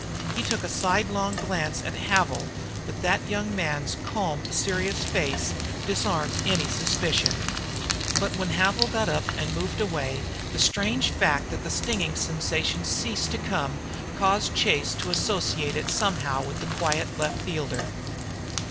He took a sidelong glance at Havil, but that young man's calm, serious face disarmed any suspicion. But when Havil got up and moved away the strange fact that the stinging sensation ceased to come caused Chase to associate it somehow with the quiet left fielder.